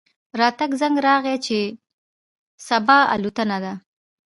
راته زنګ راغی چې صبا الوتنه ده.